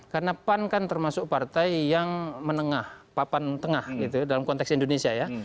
karena pan kan termasuk partai yang menengah papan tengah dalam konteks indonesia